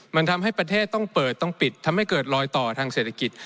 มันทำให้ประเทศต้องเปิดต้องปิดทำให้เกิดลอยต่อทางเศรษฐกิจ